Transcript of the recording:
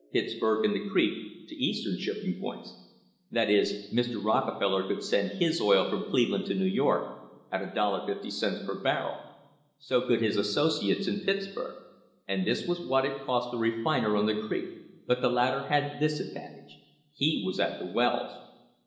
THE HISTORY OF THE STANDARD OIL COMPANY burg and the creek, to Eastern shipping points ; that is, M Rockefeller could send his oil from Cleveland to New York at $1.50 per barrel; so could his associates in Pittsburg; and this was what it cost the refiner on the creek; but the latter had this advantage: he was at the wells.